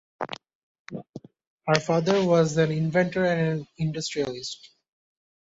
Her father was an inventor and an industrialist.